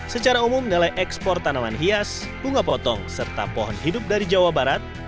secara umum nilai ekspor tanaman hias bunga potong serta pohon hidup dari jawa barat